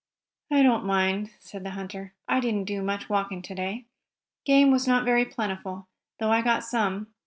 "I don't mind," said the hunter. "I didn't do much walking to day. Game was not very plentiful, though I got some.